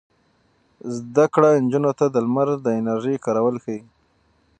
زده کړه نجونو ته د لمر د انرژۍ کارول ښيي.